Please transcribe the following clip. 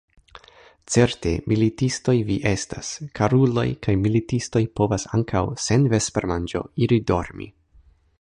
Certe, militistoj vi estas, karuloj, kaj militistoj povas ankaŭ sen vespermanĝo iri dormi!